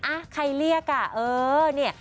อ้าวใครเรียกอ่ะเออนี่